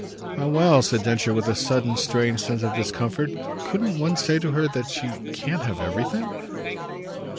"Ah well," said Densher with a sudden strange sense of discomfort, "couldn't one say to her that she can't have everything?"